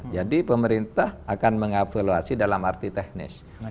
jadi pemerintah akan mengevaluasi dalam arti teknis